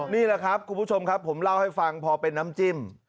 นี่แหละครับคุณผู้ชมครับผมเล่าให้ฟังพอเป็นน้ำจิ้ม